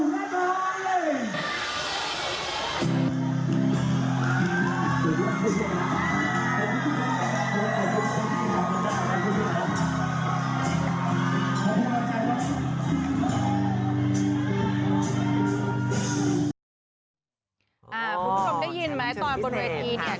คุณผู้ชมได้ยินไหมตอนบนเวทีเนี่ย